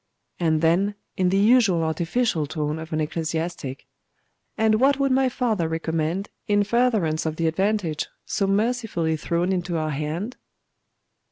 And then, in the usual artificial tone of an ecclesiastic 'And what would my father recommend in furtherance of the advantage so mercifully thrown into our hand?